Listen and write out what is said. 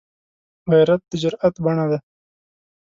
غیرت د جرئت بڼه ده